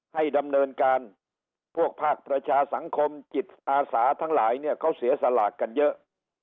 ให้ดำเนินการพวกภาคประชาสังคมจิตอาสาทั้งหลายเนี่ยเขาเสียสลากกันเยอะ